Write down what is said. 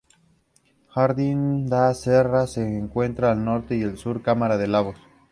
Jardim da Serra se encuentra al Norte y al Sur Câmara de Lobos.